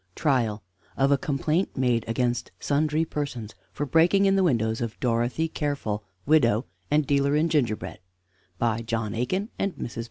TRIAL _Of a Complaint made against Sundry Persons for Breaking in the Windows of Dorothy Careful, Widow and Dealer in Gingerbread_ By JOHN AIKIN AND MRS.